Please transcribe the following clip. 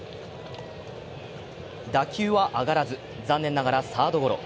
打球は上がらず、残念ながらサードゴロ。